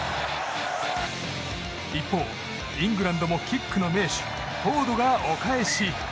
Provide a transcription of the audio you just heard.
一方、イングランドもキックの名手フォードがお返し。